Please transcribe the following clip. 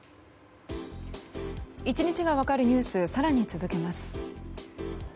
１日が分かるニュース更に続けます。